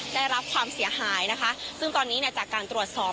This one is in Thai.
ได้รับความเสียหายนะคะซึ่งตอนนี้เนี่ยจากการตรวจสอบ